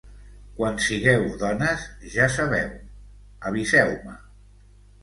Quan sigueu dones, ja sabeu... aviseu-me!